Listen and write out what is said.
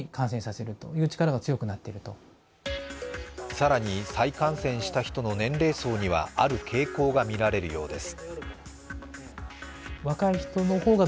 更に、再感染した人の年齢層にはある傾向がみられるようです。